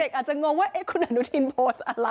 เด็กอาจจะงงว่าเอ๊ะคุณอนุทินโพสต์อะไร